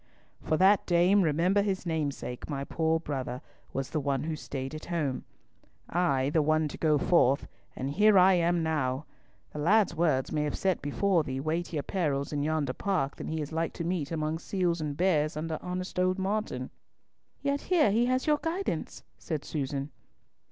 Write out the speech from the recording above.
"For that, dame, remember his namesake, my poor brother, was the one who stayed at home, I the one to go forth, and here am I now! The lad's words may have set before thee weightier perils in yonder park than he is like to meet among seals and bears under honest old Martin." "Yet here he has your guidance," said Susan.